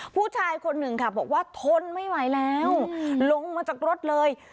ผู้ชายคนหนึ่งค่ะบอกว่าทนไม่ไหวแล้วลงมาจากรถเลย